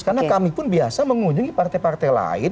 karena kami pun biasa mengunjungi partai partai lain